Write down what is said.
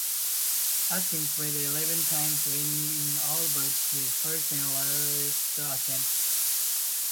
Atkins played eleven times, winning in all but his first and last attempts.